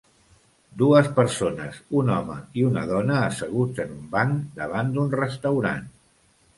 Dues persones, un home i una dona asseguts en un banc, davant d'un restaurant.